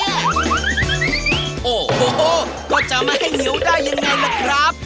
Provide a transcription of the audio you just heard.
โอ้โหก็จะไม่ให้เหนียวได้ยังไงล่ะครับ